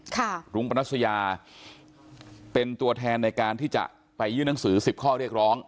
รุ้งปนัสยาเป็นตัวแทนในการที่จะไปยื่นหนังสือสิบข้อเรียกร้อง